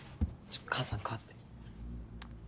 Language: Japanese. ちょっ母さん代わって。